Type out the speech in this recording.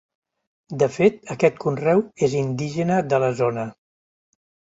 De fet aquest conreu és indígena de la zona.